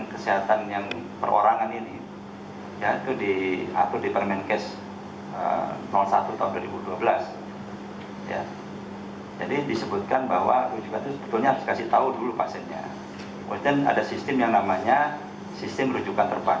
kemudian ada sistem yang namanya sistem rujukan terbang